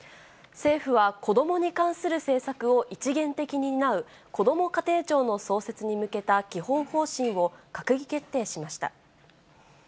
政府は子どもに関する政策を一元的に担うこども家庭庁の創設に向けた基本方針を閣議決定しました。